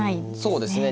そうですね。